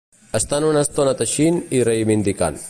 Estan una estona teixint i reivindicant.